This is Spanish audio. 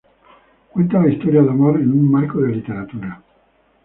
Cuenta la historia de amor en un marco de "literatura".